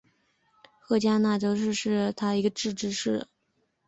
赫加奈斯市是瑞典南部斯科讷省的一个自治市。